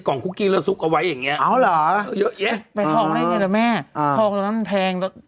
ไปทองได้อย่างเงี้ยแหละแม่